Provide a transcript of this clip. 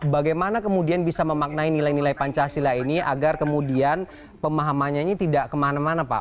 bagaimana kemudian bisa memaknai nilai nilai pancasila ini agar kemudian pemahamannya ini tidak kemana mana pak